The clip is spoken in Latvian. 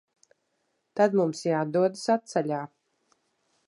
Tad mums jādodas atceļā.